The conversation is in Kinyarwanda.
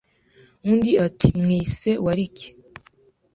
Undi ati: “ Mwise warike”